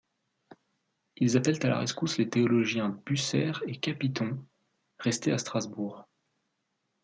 Ils appellent à la rescousse les théologiens Bucer et Capiton, restés à Strasbourg.